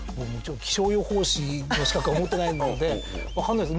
気象予報士の資格は持ってないのでわからないです。